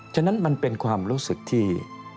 ฉะนั้นมันเป็นความรู้สึกที่